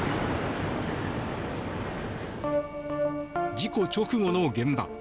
事故直後の現場。